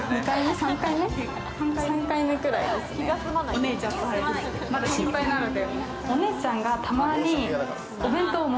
お姉ちゃんと入るのはまだ心配なので。